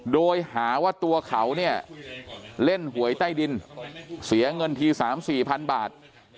โดยหาว่าตัวเขาเนี่ยเล่นหวยใต้ดินเสียเงินที๓๔พันบาท